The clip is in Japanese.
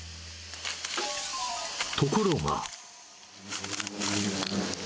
ところが。